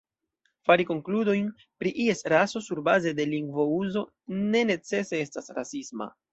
Fari konkludojn pri ies raso surbaze de lingvouzo ne necese estas rasisma.